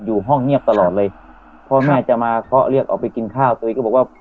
อยู่ห้องเงียบตลอดเลยพ่อแม่จะมาเคาะเรียกออกไปกินข้าวตัวเองก็บอกว่า